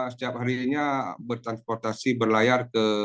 setiap harinya bertransportasi berlayar ke